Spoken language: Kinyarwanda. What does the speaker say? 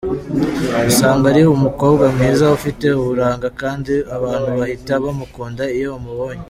Usanga ari umukobwa mwiza, ufite uburanga kandi abantu bahita bamukunda iyo bamubonye.